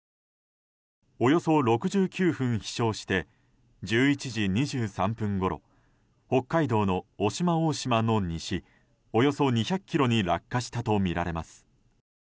およそ６９分飛翔して１１時２３分ごろ北海道の渡島大島の西およそ２００ｋｍに落下したとみられます。